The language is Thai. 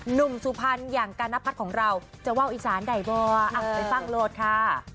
หนุ่มสุภัณฑ์อย่างกานพัทของเราจะว่าอีสานใดบ่อ่ะไปฟังโลดค่ะ